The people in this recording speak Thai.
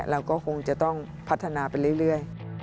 เราก็คงจะต้องพัฒนาไปเรื่อย